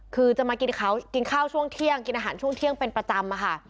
คือจะมากินข้าวช่วงเที่ยงกินอาหารช่วงเที่ยงเป็นประจำค่ะ